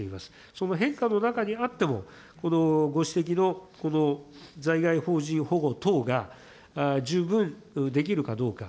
その変化の中にあっても、このご指摘のこの在外邦人保護等が十分できるかどうか。